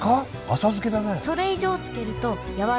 浅漬けだね。